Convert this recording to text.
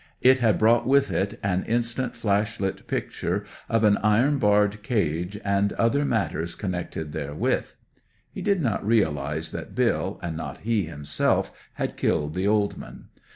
It had brought with it an instant flashlight picture of an iron barred cage, and other matters connected therewith. He did not realize that Bill, and not he himself, had killed the old man.